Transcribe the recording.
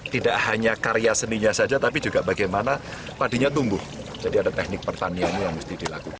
tidak hanya karya seninya saja tapi juga bagaimana padinya tumbuh jadi ada teknik pertanianmu yang mesti dilakukan